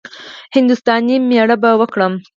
هـنـدوستانی ميړه به وکړم.